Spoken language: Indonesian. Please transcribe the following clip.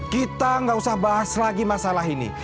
kita nggak usah bahas lagi masalah ini